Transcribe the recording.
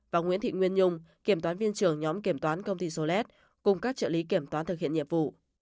và nguyễn thị nguyên nhung kiểm toán viên trưởng nhóm kiểm toán công ty solet cùng các trợ lý kiểm toán thực hiện nhiệm vụ